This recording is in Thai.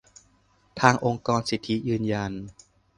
ทางองค์กรสิทธิยืนยัน